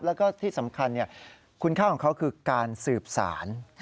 แล้วก็ที่สำคัญคุณค่าของเขาคือการสืบสาร